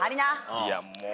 いやもう。